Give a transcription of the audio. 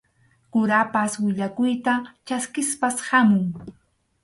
Kurapas willakuyta chaskispas hamun.